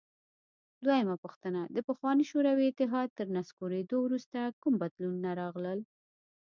دویمه پوښتنه: د پخواني شوروي اتحاد تر نسکورېدو وروسته کوم بدلونونه راغلل؟